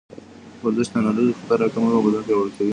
ورزش د ناروغیو خطر راکموي او بدن پیاوړی کوي.